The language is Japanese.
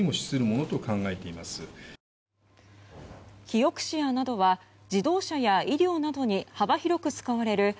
キオクシアなどは自動車や医療などに幅広く使われる